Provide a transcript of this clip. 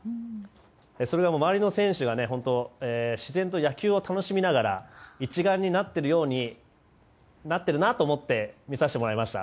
そして周りの選手が自然と野球を楽しみながら一丸になっているなと思って見させてもらいました。